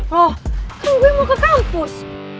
loh kan gue mau ke kampus